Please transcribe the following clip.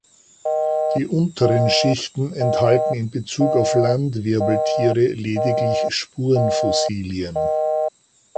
Die „Unteren Schichten“ enthalten in Bezug auf Landwirbeltiere lediglich Spurenfossilien.